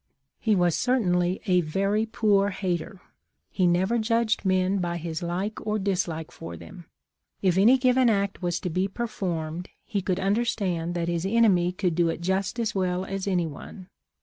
" He was certainly a ver\ poor hater. He never 536 THE LIFE OF LINCOLN. judged men by his like or dislike for them. If any given act was to be performed, he could understand that his enemy could do it just as well as anyone.